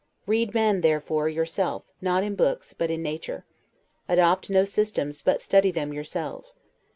Read men, therefore, yourself, not in books but in nature. Adopt no systems, but study them yourself.